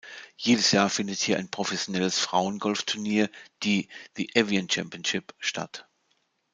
Jedes Jahr findet hier ein professionelles Frauen-Golfturnier, die The Evian Championship, statt.